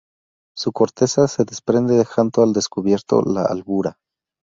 Su corteza se desprende dejando al descubierto la albura.